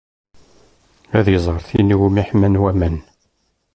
Ad iẓer tin iwumi ḥman waman.